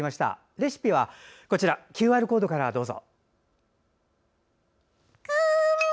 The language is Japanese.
レシピはＱＲコードから、どうぞ。